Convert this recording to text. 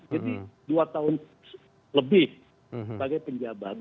jadi dua tahun lebih sebagai penjabat